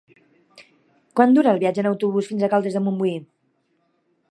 Quant dura el viatge en autobús fins a Caldes de Montbui?